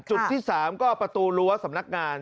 จุดที่๓ก็ประตูรั้วสำนักงาน